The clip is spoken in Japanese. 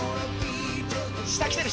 下来てる！